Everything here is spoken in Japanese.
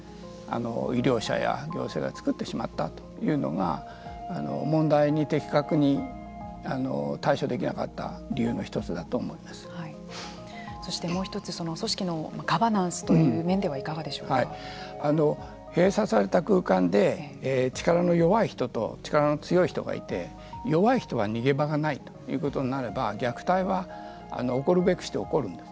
医療者や行政が作ってしまったというのが問題に的確に対処できなかったそしてもう一つ組織のガバナンスという面では閉鎖された空間で力の弱い人と力の強い人がいて弱い人は逃げ場がないということになれば虐待は起こるべくして起こるんです。